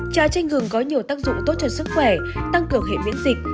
chà chanh gừng có nhiều tác dụng tốt cho sức khỏe tăng cường hệ miễn dịch